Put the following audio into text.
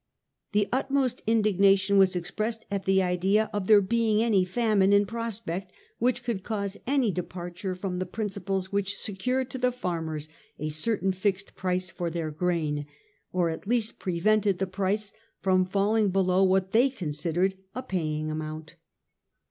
The utmost indignation was expressed at the idea of there being any famine in prospect which could cause any departure from the principles which secured to the farmers a certain fixed price for their grain, or at least prevented the price from falling below what they considered a paying amount.